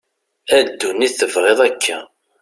a dunit tebγiḍ akka